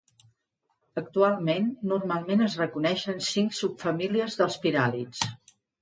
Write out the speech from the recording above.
Actualment, normalment es reconeixen cinc subfamílies dels piràlids.